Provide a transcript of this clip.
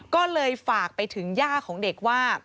ก็เลยฝากไปถึงย่าของเด็กว่า